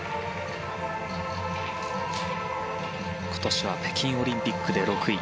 今年は北京オリンピックで６位。